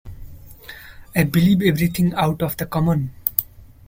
I believe everything out of the common.